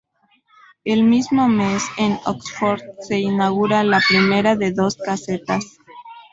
El mismo mes, en Oxford se inaugura la primera de dos casetas.